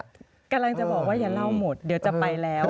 กำลังจะบอกว่าอย่าเล่าหมดเดี๋ยวจะไปแล้ว